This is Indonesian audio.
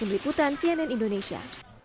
dibeliputan cnn indonesia